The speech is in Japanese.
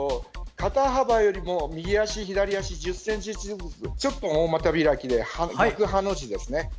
肩幅よりも右足、左足１０ｃｍぐらいちょっと大また開きで逆ハの字で。